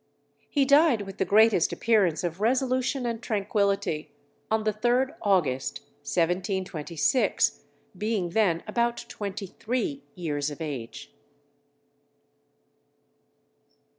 He died with the greatest appearance of resolution and tranquillity on the 3rd August, 1726, being then about twenty three years of age.